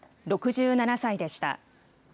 ６７歳でした。